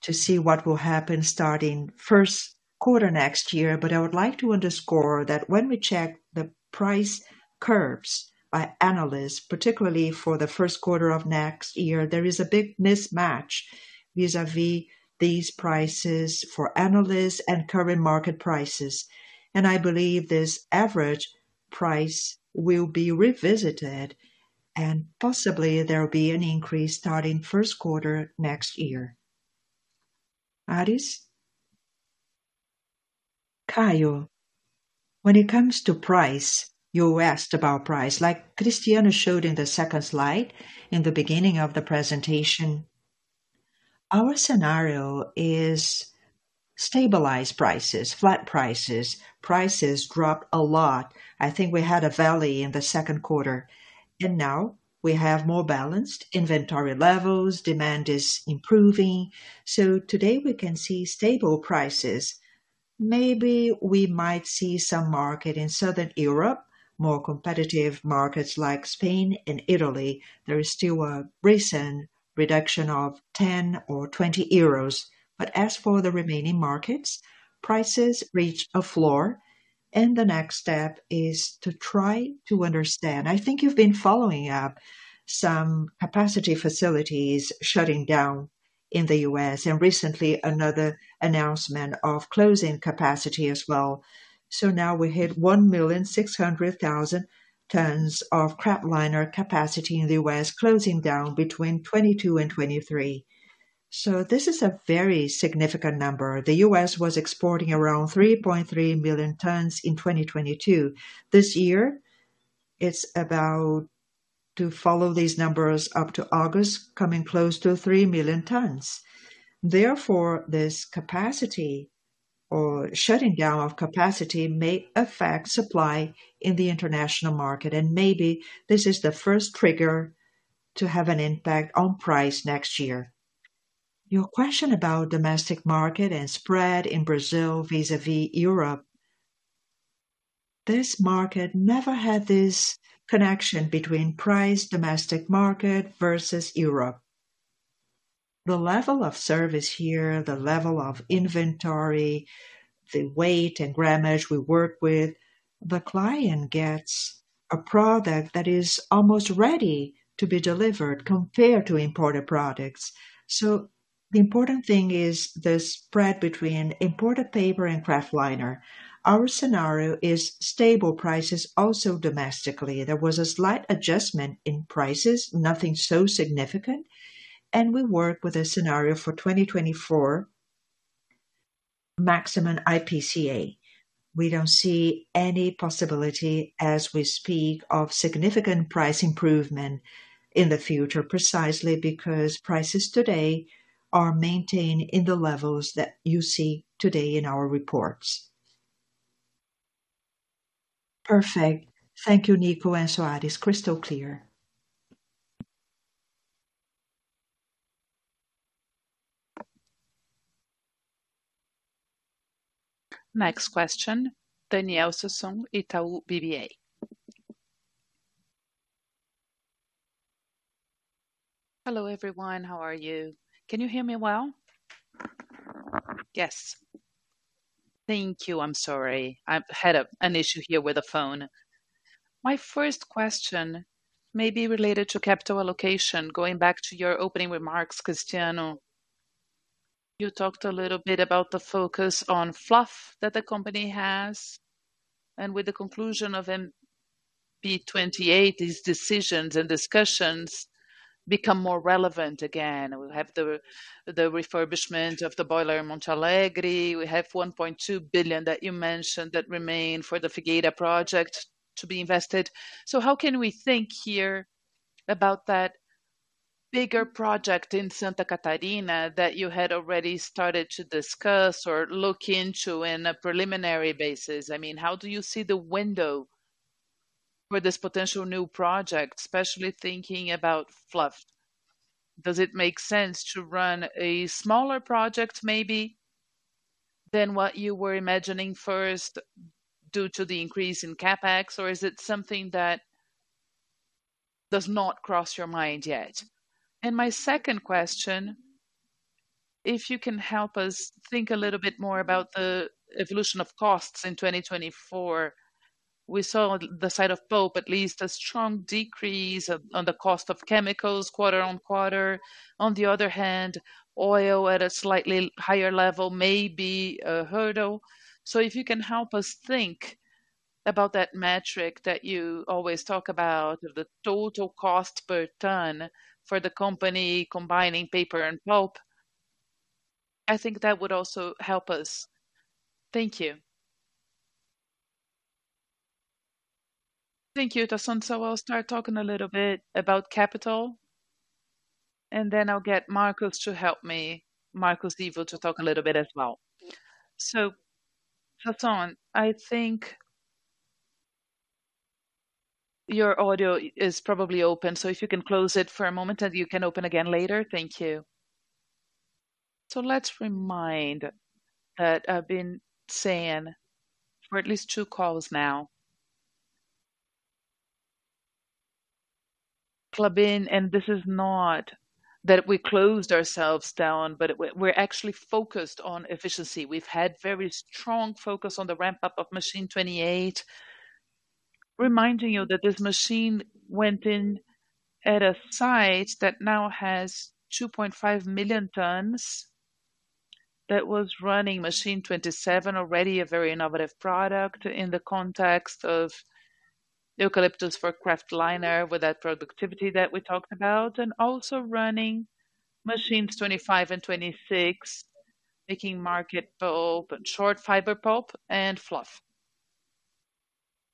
Speaker 6: to see what will happen starting first quarter next year. But I would like to underscore that when we check the price curves by analysts, particularly for the first quarter of next year, there is a big mismatch vis-a-vis these prices for analysts and current market prices. And I believe this average price will be revisited, and possibly there will be an increase starting first quarter next year. Soares?
Speaker 5: Caio, when it comes to price, you asked about price, like Cristiano showed in the second slide, in the beginning of the presentation, our scenario is stabilized prices, flat prices. Prices dropped a lot. I think we had a valley in the second quarter, and now we have more balanced inventory levels. Demand is improving, so today we can see stable prices. Maybe we might see some market in Southern Europe, more competitive markets like Spain and Italy. There is still a recent reduction of 10 or 20 euros, but as for the remaining markets, prices reach a floor, and the next step is to try to understand. I think you've been following up some capacity facilities shutting down in the U.S., and recently another announcement of closing capacity as well. So now we hit 1.6 million tons of Kraftliner capacity in the U.S., closing down between 2022 and 2023. So this is a very significant number. The U.S. was exporting around 3.3 million tons in 2022. This year, it's about to follow these numbers up to August, coming close to 3 million tons. Therefore, this capacity or shutting down of capacity may affect supply in the international market, and maybe this is the first trigger to have an impact on price next year. Your question about domestic market and spread in Brazil vis-à-vis Europe, this market never had this connection between price, domestic market versus Europe. The level of service here, the level of inventory, the weight and grammage we work with, the client gets a product that is almost ready to be delivered compared to imported products. The important thing is the spread between imported paper and kraftliner. Our scenario is stable prices, also domestically. There was a slight adjustment in prices, nothing so significant, and we work with a scenario for 2024 maximum IPCA. We don't see any possibility as we speak of significant price improvement in the future, precisely because prices today are maintained in the levels that you see today in our reports.
Speaker 8: Perfect. Thank you, Nico and Soares. Crystal clear.
Speaker 1: Next question, Daniel Sasson, Itau BBA.
Speaker 9: Hello, everyone. How are you? Can you hear me well?
Speaker 2: Yes.
Speaker 9: Thank you. I'm sorry. I've had an issue here with the phone. My first question may be related to capital allocation. Going back to your opening remarks, Cristiano, you talked a little bit about the focus on fluff that the company has, and with the conclusion of Machine 28, these decisions and discussions become more relevant again. We have the refurbishment of the boiler in Monte Alegre. We have 1.2 billion that you mentioned that remain for the Figueira project to be invested. So how can we think here about that bigger project in Santa Catarina that you had already started to discuss or look into on a preliminary basis? I mean, how do you see the window for this potential new project, especially thinking about fluff? Does it make sense to run a smaller project maybe than what you were imagining first due to the increase in CapEx, or is it something that does not cross your mind yet? My second question, if you can help us think a little bit more about the evolution of costs in 2024. We saw on the side of pulp, at least, a strong decrease on the cost of chemicals quarter-over-quarter. On the other hand, oil at a slightly higher level may be a hurdle. So if you can help us think about that metric that you always talk about, the total cost per ton for the company combining paper and pulp, I think that would also help us. Thank you.
Speaker 2: Thank you, Sasson. So I'll start talking a little bit about capital, and then I'll get Marcos to help me, Marcos Ivo, to talk a little bit as well. So Sasson, I think your audio is probably open, so if you can close it for a moment and you can open again later. Thank you. So let's remind that I've been saying for at least two calls now, Klabin, and this is not that we closed ourselves down, but we're actually focused on efficiency. We've had very strong focus on the ramp-up of machine 28, reminding you that this machine went in at a site that now has 2.5 million tons, that was running machine 27, already a very innovative product in the context of eucalyptus for kraftliner with that productivity that we talked about, and also running machines 25 and 26, making market pulp and short fiber pulp and fluff.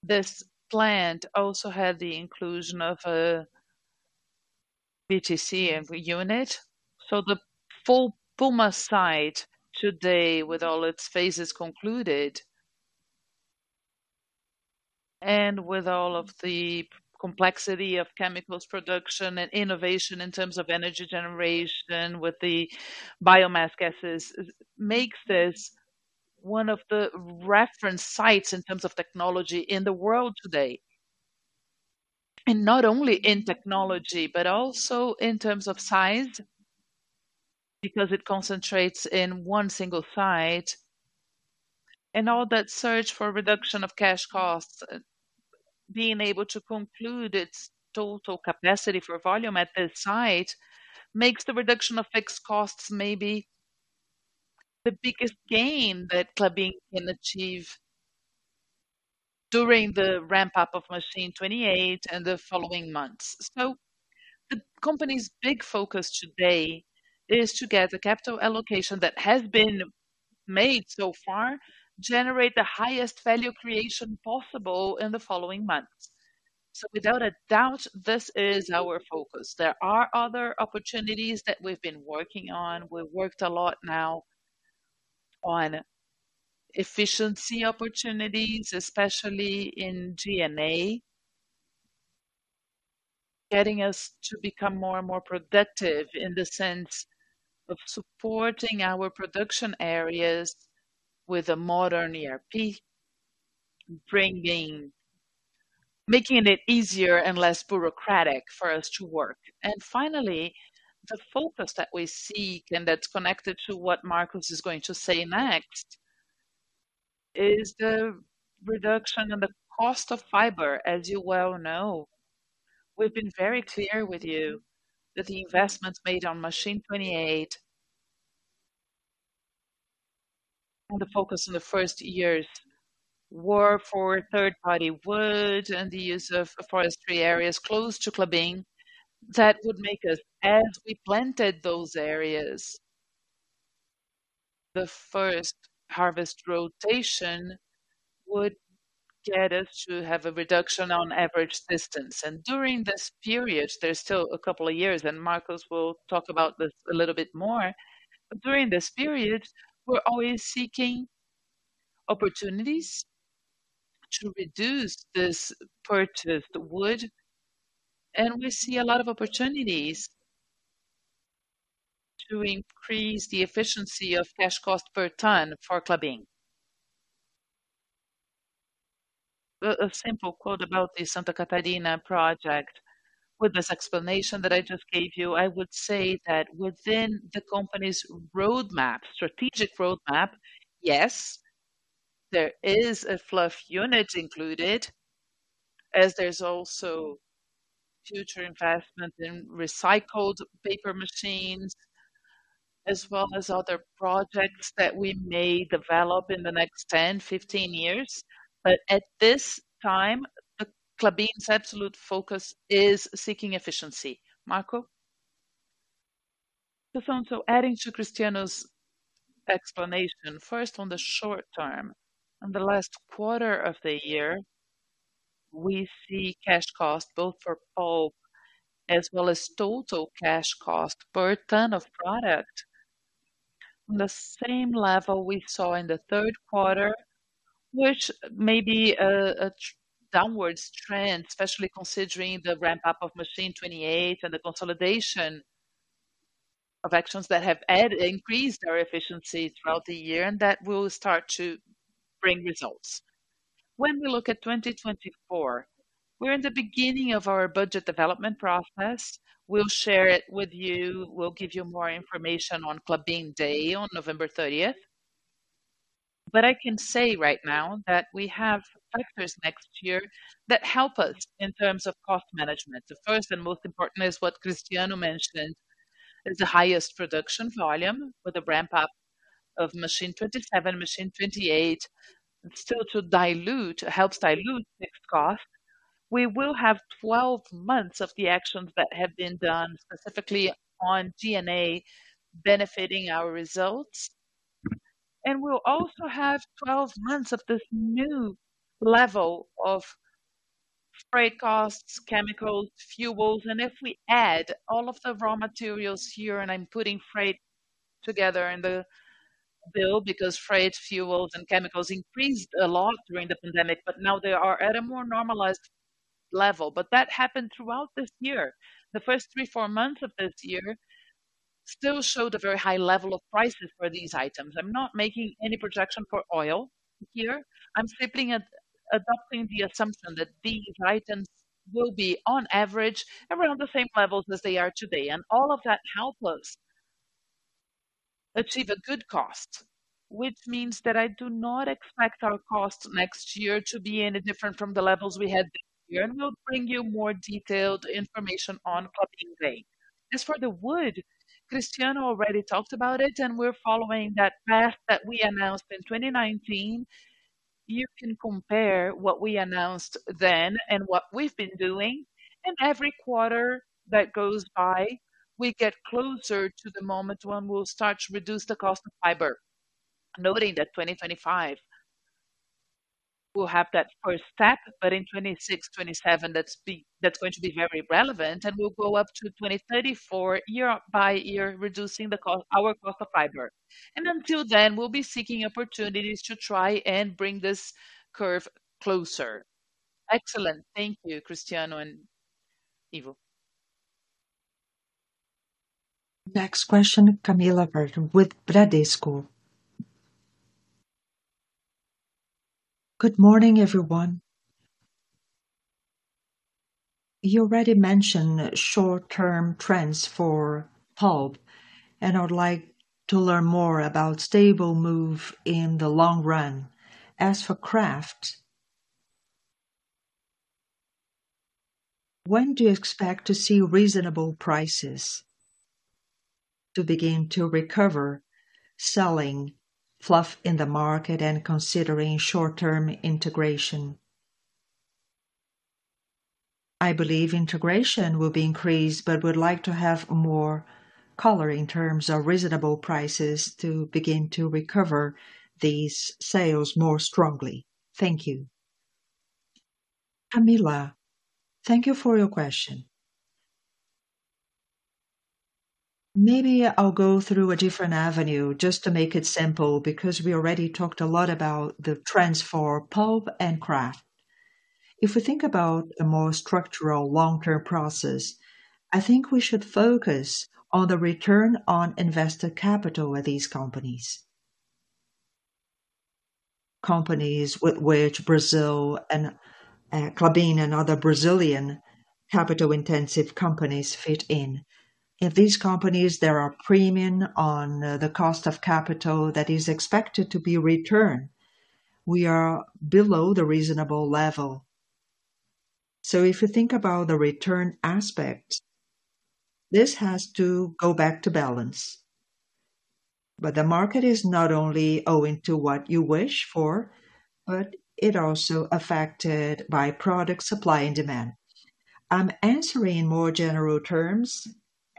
Speaker 2: This plant also had the inclusion of a BTG recovery unit. So the full Puma site today, with all its phases concluded, and with all of the complexity of chemicals production and innovation in terms of energy generation, with the biomass gases, makes this one of the reference sites in terms of technology in the world today. Not only in technology, but also in terms of size, because it concentrates in one single site and all that search for reduction of cash costs. Being able to conclude its total capacity for volume at that site makes the reduction of fixed costs maybe the biggest gain that Klabin can achieve during the ramp-up of machine 28 and the following months. The company's big focus today is to get the capital allocation that has been made so far, generate the highest value creation possible in the following months. Without a doubt, this is our focus. There are other opportunities that we've been working on. We've worked a lot now on efficiency opportunities, especially in G&A. Getting us to become more and more productive in the sense of supporting our production areas with a modern ERP, making it easier and less bureaucratic for us to work. And finally, the focus that we seek, and that's connected to what Marcos is going to say next, is the reduction in the cost of fiber. As you well know, we've been very clear with you that the investments made on Machine 28, and the focus in the first years were for third-party wood and the use of forestry areas close to Klabin, that would make us, as we planted those areas, the first harvest rotation would get us to have a reduction on average distance. And during this period, there's still a couple of years, and Marcos will talk about this a little bit more. But during this period, we're always seeking opportunities-... to reduce this purchase wood, and we see a lot of opportunities to increase the efficiency of cash cost per ton for Klabin. A simple quote about the Santa Catarina project. With this explanation that I just gave you, I would say that within the company's roadmap, strategic roadmap, yes, there is a fluff unit included, as there's also future investment in recycled paper machines, as well as other projects that we may develop in the next 10, 15 years. But at this time, Klabin's absolute focus is seeking efficiency. Marco?
Speaker 3: So adding to Cristiano's explanation, first, on the short term, on the last quarter of the year, we see cash costs, both for pulp as well as total cash cost per ton of product, on the same level we saw in the third quarter, which may be a downward trend, especially considering the ramp-up of Machine 28 and the consolidation of actions that have increased our efficiency throughout the year, and that will start to bring results. When we look at 2024, we're in the beginning of our budget development process. We'll share it with you. We'll give you more information on Klabin Day on November 30th. But I can say right now that we have factors next year that help us in terms of cost management. The first and most important is what Cristiano mentioned, is the highest production volume with a ramp-up of machine 27, machine 28, still to dilute, helps dilute fixed cost. We will have 12 months of the actions that have been done, specifically on G&A, benefiting our results. We'll also have 12 months of this new level of freight costs, chemicals, fuels, and if we add all of the raw materials here, and I'm putting freight together in the bill, because freight, fuels, and chemicals increased a lot during the pandemic, but now they are at a more normalized level. But that happened throughout this year. The first three-four months of this year still showed a very high level of prices for these items. I'm not making any projection for oil here. I'm simply adopting the assumption that these items will be, on average, around the same levels as they are today. All of that help us achieve a good cost, which means that I do not expect our costs next year to be any different from the levels we had this year. We'll bring you more detailed information on Klabin Day. As for the wood, Cristiano already talked about it, and we're following that path that we announced in 2019. You can compare what we announced then and what we've been doing, and every quarter that goes by, we get closer to the moment when we'll start to reduce the cost of fiber. Noting that 2025, we'll have that first step, but in 2026, 2027, that's going to be very relevant, and we'll go up to 2034, year by year, reducing the cost, our cost of fiber. And until then, we'll be seeking opportunities to try and bring this curve closer.
Speaker 9: Excellent. Thank you, Cristiano and Ivo.
Speaker 1: Next question, Camilla Bezerra with Bradesco.
Speaker 10: Good morning, everyone. You already mentioned short-term trends for pulp, and I would like to learn more about stable move in the long run. As for kraft, when do you expect to see reasonable prices to begin to recover selling fluff in the market and considering short-term integration? I believe integration will be increased, but would like to have more color in terms of reasonable prices to begin to recover these sales more strongly. Thank you.
Speaker 2: Camilla, thank you for your question. Maybe I'll go through a different avenue just to make it simple, because we already talked a lot about the trends for pulp and kraft. If we think about a more structural, long-term process, I think we should focus on the return on invested capital with these companies. Companies with which Brazil and Klabin and other Brazilian capital-intensive companies fit in. In these companies, there are premium on the cost of capital that is expected to be returned. We are below the reasonable level. So if you think about the return aspect, this has to go back to balance. But the market is not only owing to what you wish for, but it also affected by product supply and demand. I'm answering in more general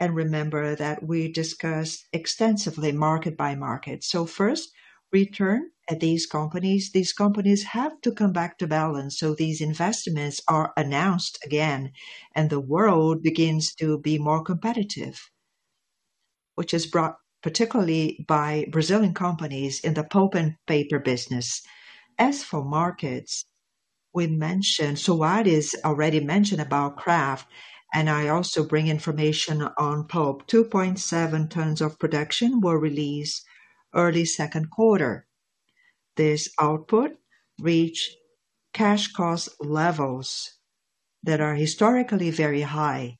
Speaker 2: terms, and remember that we discussed extensively market by market. So first, return at these companies. These companies have to come back to balance, so these investments are announced again, and the world begins to be more competitive, which is brought particularly by Brazilian companies in the pulp and paper business. As for markets, we mentioned, so what is already mentioned about kraft, and I also bring information on pulp. 2.7 tons of production were released early second quarter. This output reached cash cost levels that are historically very high,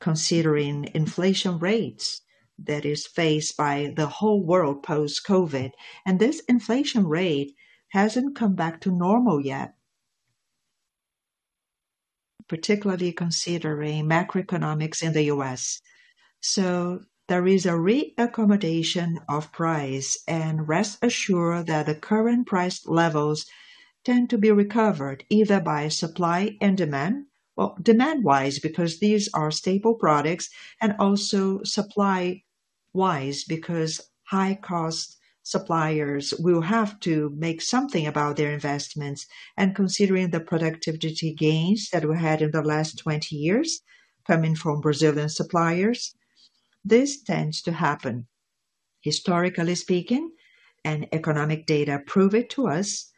Speaker 2: considering inflation rates that is faced by the whole world post-COVID. And this inflation rate hasn't come back to normal yet, particularly considering macroeconomics in the U.S. So there is a reaccommodation of price, and rest assured that the current price levels tend to be recovered either by supply and demand. Well, demand-wise, because these are staple products, and also supply-wise, because high cost suppliers will have to make something about their investments. And considering the productivity gains that we had in the last 20 years coming from Brazilian suppliers, this tends to happen. Historically speaking, and economic data prove it to us,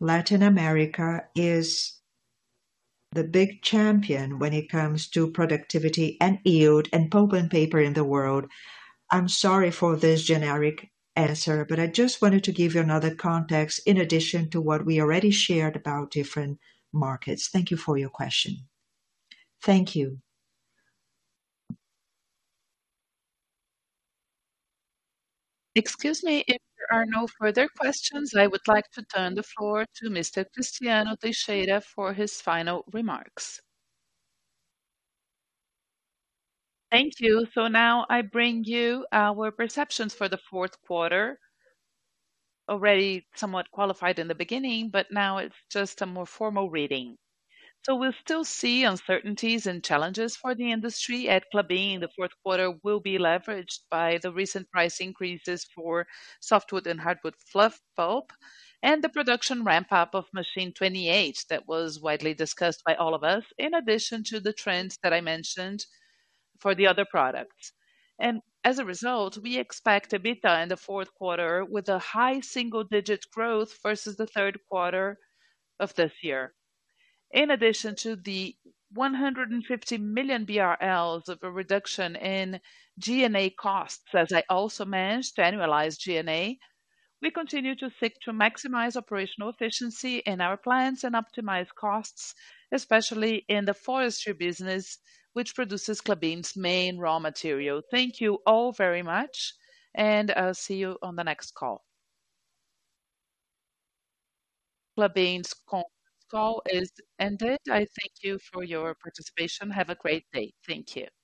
Speaker 2: Latin America is the big champion when it comes to productivity and yield and pulp and paper in the world. I'm sorry for this generic answer, but I just wanted to give you another context in addition to what we already shared about different markets. Thank you for your question.
Speaker 10: Thank you.
Speaker 1: Excuse me. If there are no further questions, I would like to turn the floor to Mr. Cristiano Teixeira for his final remarks.
Speaker 2: Thank you. So now I bring you our perceptions for the fourth quarter. Already somewhat qualified in the beginning, but now it's just a more formal reading. So we'll still see uncertainties and challenges for the industry. At Klabin, the fourth quarter will be leveraged by the recent price increases for softwood and hardwood fluff pulp, and the production ramp-up of machine 28, that was widely discussed by all of us, in addition to the trends that I mentioned for the other products. And as a result, we expect EBITDA in the fourth quarter with a high single-digit growth versus the third quarter of this year. In addition to the 150 million BRL of a reduction in G&A costs, as I also managed to annualize G&A, we continue to seek to maximize operational efficiency in our plants and optimize costs, especially in the forestry business, which produces Klabin's main raw material. Thank you all very much, and I'll see you on the next call.
Speaker 1: Klabin's conference call is ended. I thank you for your participation. Have a great day. Thank you.